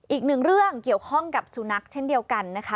อีกหนึ่งเรื่องเกี่ยวข้องกับสุนัขเช่นเดียวกันนะคะ